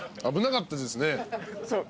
危なかったですね。